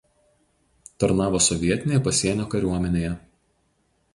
Tarnavo sovietinėje pasienio kariuomenėje.